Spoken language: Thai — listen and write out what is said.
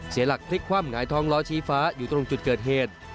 เสียหลักพลิกคว่ำหงายท้องล้อชี้ฟ้าอยู่ตรงจุดเกิดเหตุ